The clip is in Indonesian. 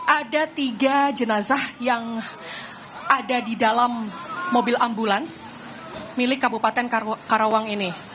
ada tiga jenazah yang ada di dalam mobil ambulans milik kabupaten karawang ini